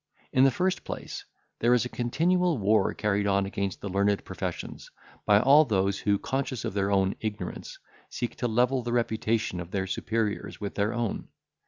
In the first place, there is a continual war carried on against the learned professions, by all those who, conscious of their own ignorance, seek to level the reputation of their superiors with their own.